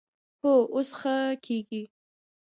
هو، اوس ښه کیږي